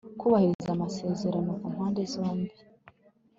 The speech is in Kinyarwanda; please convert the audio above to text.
kubahiriza amasezerano ku mpande zombi (responsabilité mutuelle